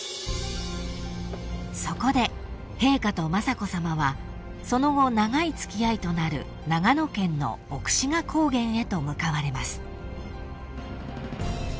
［そこで陛下と雅子さまはその後長い付き合いとなる長野県の奥志賀高原へと向かわれます］